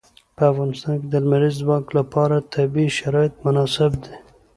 په افغانستان کې د لمریز ځواک لپاره طبیعي شرایط مناسب دي.